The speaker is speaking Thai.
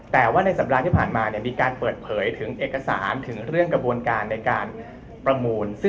แต่ว่าในสัปดาห์ที่ผ่านมามีการเปิดเผยถึงเอกสารถึงเรื่องกระบวนการในการประมูล